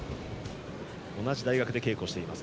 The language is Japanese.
同じ大学で稽古しています。